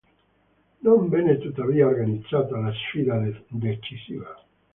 Non venne tuttavia organizzata la sfida decisiva.